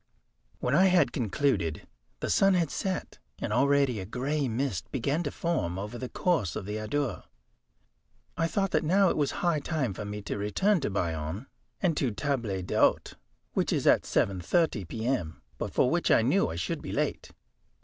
When I had concluded, the sun had set, and already a grey mist began to form over the course of the Adour. I thought that now it was high time for me to return to Bayonne, and to table d'hôte, which is at 7.30 p.m., but for which I knew I should be late.